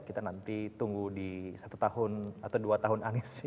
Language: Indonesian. kita nanti tunggu di satu tahun atau dua tahun anies